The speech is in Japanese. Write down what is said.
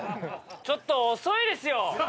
ちょっと遅いですよ。